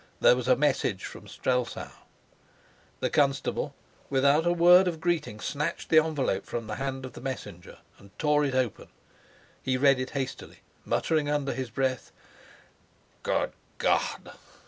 There was a message from Strelsau! The constable, without a word of greeting, snatched the envelope from the hand of the messenger and tore it open. He read it hastily, muttering under his breath "Good God!"